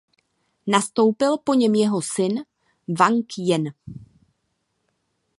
Nastoupil po něm jeho syn Wang Jen.